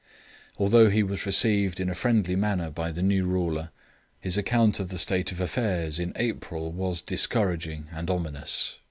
Although he was received in a friendly manner by the new ruler, his account of the state of affairs in April was discouraging and ominous.